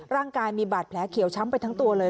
ร่างกายมีบาดแผลเขียวช้ำไปทั้งตัวเลย